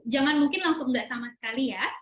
jangan mungkin langsung nggak sama sekali ya